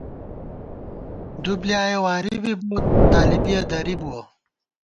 دُوبۡلیایَہ واری بی بوت ، طالِبِیَہ درِبُوَہ